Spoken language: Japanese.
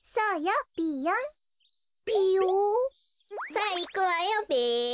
さあいくわよべ。